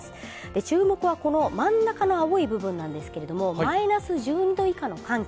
注目はこの真ん中の青い部分なんですけれどもマイナス１２度以下の寒気。